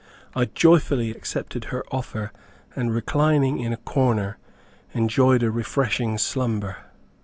I joyfully accepted her offer, and reclining in a corner, enjoyed a refreshing slumber.